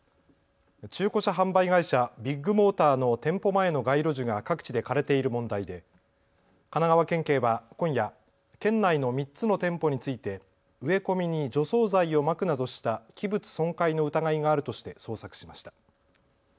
中古車販売会社、ビッグモーターの店舗前の街路樹が各地で枯れている問題で神奈川県警は今夜、県内の３つの店舗について植え込みに除草剤をまくなどした器物損壊の疑いがあるとして捜索しました。